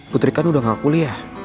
putri kan udah gak kuliah